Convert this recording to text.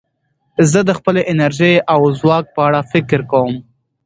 زه د خپلې انرژۍ او ځواک په اړه فکر کوم.